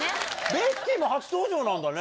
ベッキーも初登場なんだね。